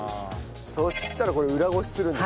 そしたらこれ裏漉しするんですか？